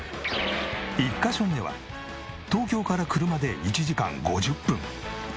１カ所目は東京から車で１時間５０分。